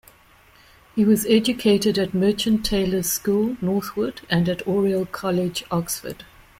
He was educated at Merchant Taylors' School, Northwood, and at Oriel College, Oxford.